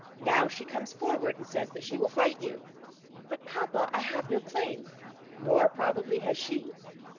Now she comes forward and says that she will fight you." "But, papa, I have no claim." "Nor probably has she?"